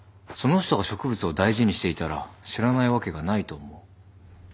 その人が植物を大事にしていたら知らないわけがないと思う。